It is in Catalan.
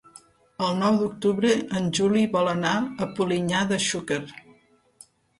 El nou d'octubre en Juli vol anar a Polinyà de Xúquer.